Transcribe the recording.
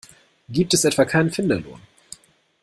Gibt es etwa keinen Finderlohn?